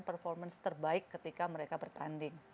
performance terbaik ketika mereka bertanding